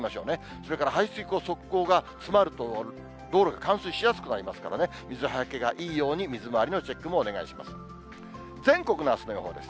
それから排水溝、側溝が詰まると道路が冠水しやすくなりますからね、水はけがいいように水回りのチェックもお願いします。